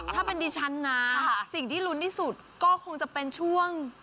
ถ้าเป็นดิฉันนะสิ่งที่ลุ้นที่สุดก็คงจะเป็นช่วง